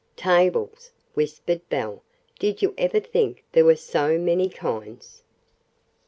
"Tables!" whispered Belle. "Did you ever think there were so many kinds?"